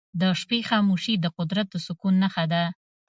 د شپې خاموشي د قدرت د سکون نښه ده.